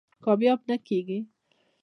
کامیاب نه کېږي.